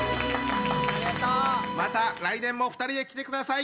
また来年も２人で来てください！